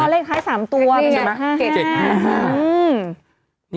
อ๋อเลขท้าย๓ตัวใช่ไหม๕๕๕